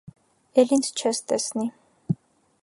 էլ ինձ չես տեսնի: